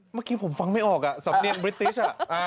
เมื่อกี้ผมฟังไม่ออกอะสักหนือกาบ้ริติช